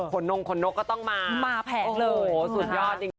ขนนมขนนกก็ต้องมามาแผ่นเลยโอ้โหสุดยอด